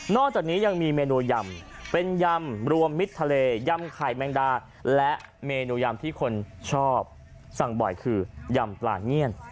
จากนี้ยังมีเมนูยำเป็นยำรวมมิดทะเลยำไข่แมงดาและเมนูยำที่คนชอบสั่งบ่อยคือยำปลาเมี่ยน